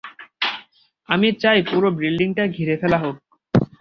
আমি চাই পুরো বিল্ডিংটা ঘিরে ফেলা হোক।